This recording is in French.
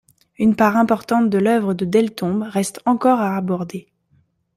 Une part importante de l’œuvre de Deltombe reste encore à aborder.